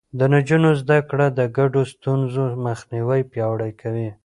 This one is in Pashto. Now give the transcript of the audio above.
د نجونو زده کړه د ګډو ستونزو مخنيوی پياوړی کوي.